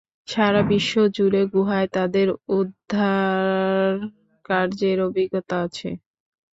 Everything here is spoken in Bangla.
সারাবিশ্ব জুড়ে গুহায় তাদের উদ্ধাকার্যের অভিজ্ঞতা আছে।